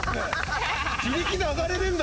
自力で上がれねえんだ。